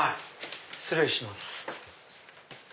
失礼します。